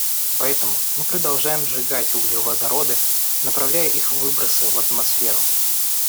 Поэтому мы продолжаем сжигать углеводороды, направляя их выбросы в атмосферу.